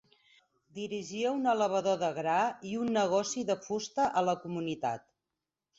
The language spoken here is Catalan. Dirigia un elevador de gra i un negoci de fusta a la comunitat.